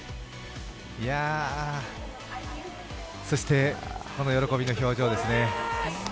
そして、この喜びの表情ですね。